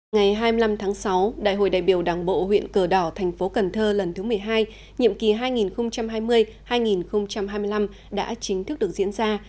ngày hai mươi năm tháng sáu đại hội đại biểu đảng bộ huyện cờ đỏ thành phố cần thơ lần thứ một mươi hai nhiệm kỳ hai nghìn hai mươi hai nghìn hai mươi năm đã chính thức được diễn ra